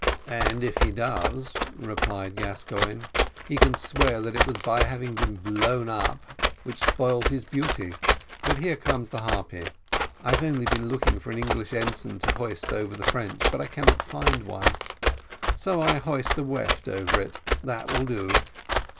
"And if he does," replied Gascoigne, "he can swear that it was by having been blown up which spoiled his beauty but here comes the Harpy. I have been looking for an English ensign to hoist over the French, but cannot find one; so I hoist a wheft over it that will do."